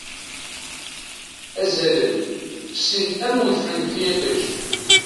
Azalen, fessin am udfel deg yiṭij.